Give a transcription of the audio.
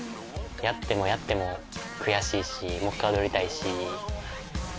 やってもやっても悔しいしもう一回踊りたいし。